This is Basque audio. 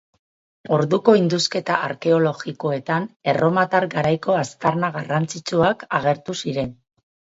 Orduko indusketa arkeologikoetan erromatar garaiko aztarna garrantzitsuak agertu ziren.